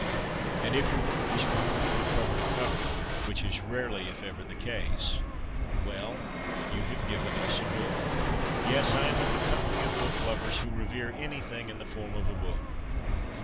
And if your work is poor from cover to cover — which is rarely, if ever the case — well, you have given us a book. Yes, I am of the company of book lovers who revere anything in the form of a book.